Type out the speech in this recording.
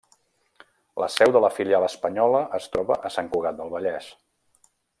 La seu de la filial espanyola es troba a Sant Cugat del Vallès.